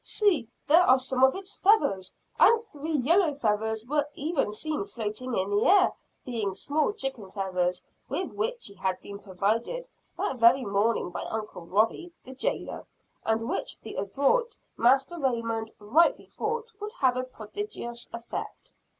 See, there are some of its feathers!" And three yellow feathers were seen floating in the air; being small chicken feathers with which he had been provided that very morning by Uncle Robie, the jailer; and which the adroit Master Raymond rightly thought would have a prodigious effect.